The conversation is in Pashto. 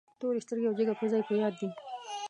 تورې سترګې او جګه پزه یې په یاد دي.